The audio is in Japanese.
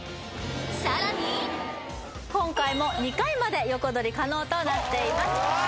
さらに今回も２回まで横取り可能となっています